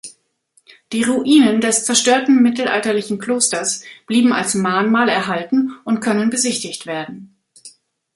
Die Ruinen des zerstörten mittelalterlichen Klosters blieben als Mahnmal erhalten und können besichtigt werden.